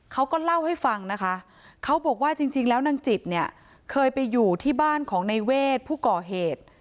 เขาก็เล่าให้ฟังนะคะเขาบอกว่าจริงแล้วนางจิตเนี่ยเคยไปอยู่ที่บ้านของในเวทผู้ก่อเหตุ